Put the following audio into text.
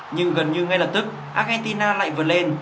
nhưng gần như ngay lập tức argentina lại vượt lên